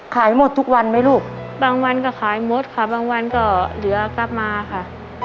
ขายหมดทุกวันไหมลูกบางวันก็ขายหมดค่ะบางวันก็เหลือกลับมาค่ะ